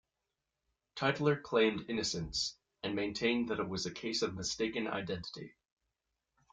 Tytler claimed innocence, and maintained that it was a case of mistaken identity.